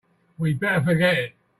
We'd better forget it.